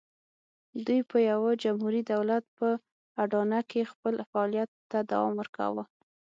دوی په یوه جمهوري دولت په اډانه کې خپل فعالیت ته دوام ورکاوه.